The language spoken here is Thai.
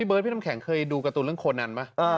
พี่เบิศน์พี่ทำแข่งเคยดูการ์ตูนเรื่องโคนนั้นมา